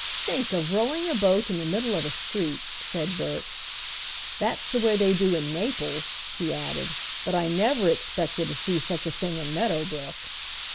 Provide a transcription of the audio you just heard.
"Think of rowing a boat in the middle of a street," said Bert. "That's the way they do in Naples," he added, "but I never expected to see such a thing in Meadow Brook."